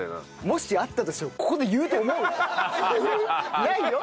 もしあったとしてもここで言うと思う？ないよ。